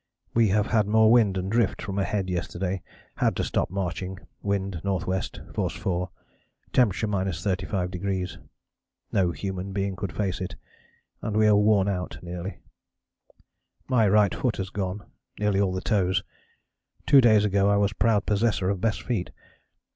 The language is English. We have had more wind and drift from ahead yesterday; had to stop marching; wind N.W., force 4, temp. 35°. No human being could face it, and we are worn out nearly. "My right foot has gone, nearly all the toes two days ago I was proud possessor of best feet....